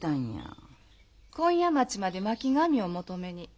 紺屋町まで巻紙を求めに。